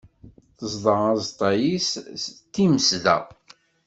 Teẓḍa aẓeṭṭa-is, d timezda.